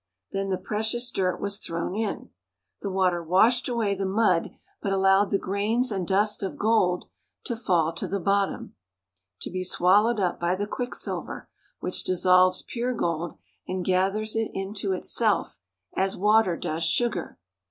Then the precious dirt was thrown in. The water washed away the mud, but A VISIT TO A GOLD MINE. 241 Hydraulic Mining . allowed the grains and dust of gold to fall to the bottom, to be swallowed up by the quicksilver, which dissolves pure gold and gathers it into itself as water does sugar.